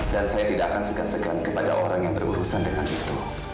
dan saya tidak akan segan segan kepada orang yang berurusan dengan itu